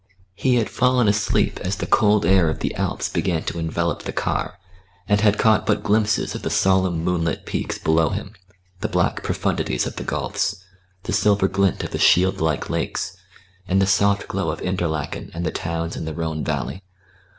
He had fallen asleep as the cold air of the Alps began to envelop the car, and had caught but glimpses of the solemn moonlit peaks below him, the black profundities of the gulfs, the silver glint of the shield like lakes, and the soft glow of Interlaken and the towns in the Rhone valley.